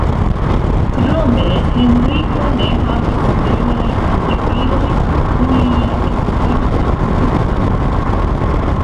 Krome, Henriko ne havis pliajn gefilojn kun lia edzino aŭ kun amantoj.